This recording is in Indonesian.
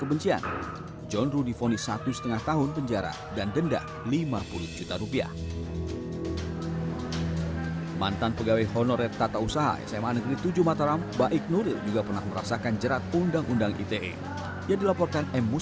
berita sempat ditahan selama dua bulan